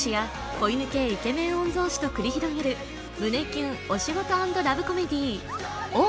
子犬系イケメン御曹司と繰り広げる胸キュンお仕事＆ラブコメディ「オー！